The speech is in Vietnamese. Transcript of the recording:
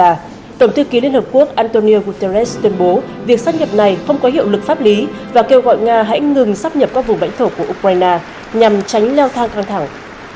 antonio guterres tuyên bố việc sắp nhập này không có hiệu lực pháp lý và kêu gọi nga hãy ngừng sắp nhập các vùng lãnh thổ của ukraine nhằm tránh leo thang căng thẳng